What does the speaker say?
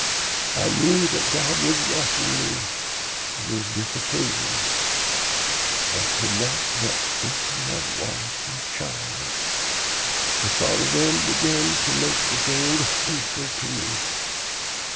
I knew that God was watching me and was disapproving. I could not but think of my wife and child. The thought of them began to make the gold hateful to me.